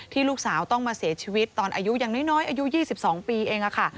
ลูกสาวต้องมาเสียชีวิตตอนอายุอย่างน้อยอายุ๒๒ปีเองค่ะ